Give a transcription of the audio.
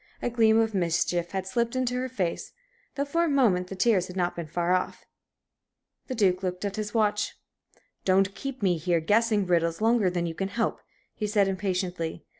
A gleam of mischief had slipped into her face, though for a moment the tears had not been far off. The Duke looked at his watch. "Don't keep me here guessing riddles longer than you can help," he said, impatiently.